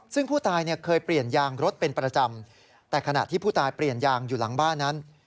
ซึ่งผู้ตายเนี่ยเคยเปลี่ยนยางรถเป็นประจำแต่ขณะที่ผู้ตายเปลี่ยนยางอยู่หลังบ้านนั้น